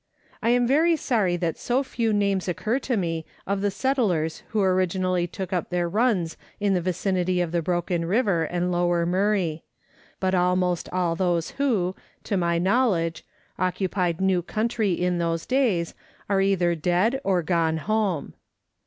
I am very sorry that so few names occur to me of the settlers who originally took up their runs in the vicinity of the Broken River and Lower Murray ; but almost all those who, to my know ledge, occupied new country in those days are either dead or gone home.